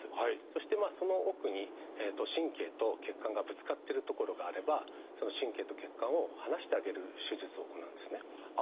そしてその奥に神経と血管がぶつかってる所があればその神経と血管を離してあげる手術を行うんですね。